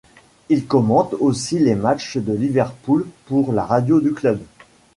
Il commente aussi les matchs de Liverpool pour la radio du club.